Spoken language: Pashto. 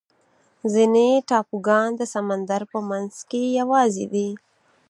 ځینې ټاپوګان د سمندر په منځ کې یوازې دي.